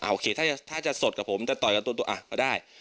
อะวิธีถ้าจะสดกับผมแต่ต่อยกันตัวอะพอได้